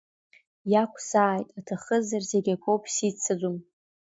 Иакәзааит аҭахызар, зегь акоуп сиццаӡом.